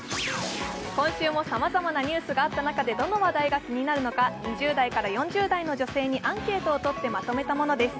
今週もさまざまなニュースがあった中でどの話題が気になるのか、２０代から４０代の女性にアンケートを取ってまとめたものです。